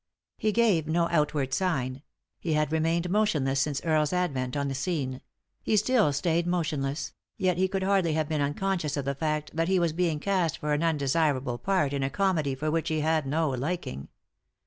He gave no outward sign ; he bad remained motionless since Earle's advent on the scene ; he still staved motionless ; yet he could hardly have been unconscious of the fact that he was being cast for an undesirable part in a comedy for which he had no liking.